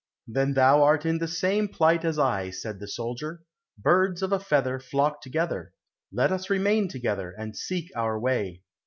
"Then thou art in the same plight as I," said the soldier; "birds of a feather flock together, let us remain together, and seek our way."